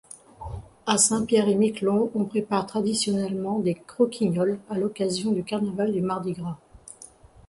À Saint-Pierre-et-Miquelon, on prépare traditionnellement des croquignoles à l'occasion du carnaval du Mardi gras.